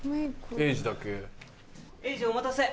えいじお待たせ。